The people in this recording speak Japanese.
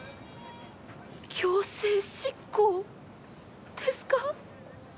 強制執行ですか？